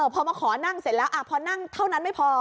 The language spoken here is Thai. พอมาขอนั่งเสร็จแล้วพอนั่งเท่านั้นไม่พอ